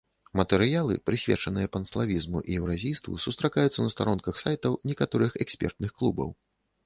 Матэрыялы, прысвечаныя панславізму і еўразійству, сустракаюцца на старонках сайтаў некаторых экспертных клубаў.